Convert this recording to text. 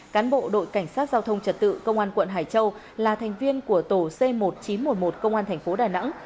cán bộ đội cảnh sát giao thông trật tự công an quận hải châu là thành viên của tổ c một nghìn chín trăm một mươi một công an thành phố đà nẵng